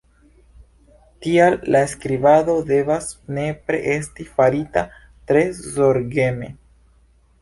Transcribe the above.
Tial la skribado devas nepre esti farita tre zorgeme.